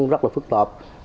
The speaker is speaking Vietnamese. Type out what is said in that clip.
rất là phức tạp